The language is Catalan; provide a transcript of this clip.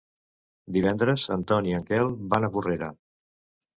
Divendres en Ton i en Quel van a Porrera.